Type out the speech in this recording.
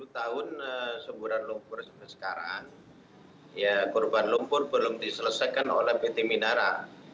sepuluh tahun semburan lumpur sampai sekarang korban lumpur belum diselesaikan oleh pt minara